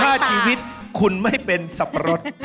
ถ้าชีวิตคุณไม่เป็นสับปะรด